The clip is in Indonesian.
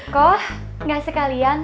kok gak sekalian